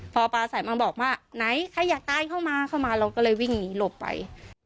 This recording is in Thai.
พอปลาสายมาบอกว่าไหนใครอยากตายเข้ามาเข้ามาเราก็เลยวิ่งหนีหลบไป